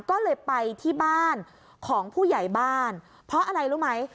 ก็เลยไปที่บ้านของผู้ใหญ่บ้านเพราะอะไรรู้ไหม